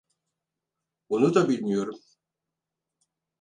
Onu da bilmiyorum.